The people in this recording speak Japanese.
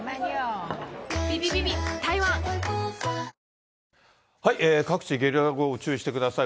「ディアナチュラ」各地、ゲリラ豪雨、注意してください。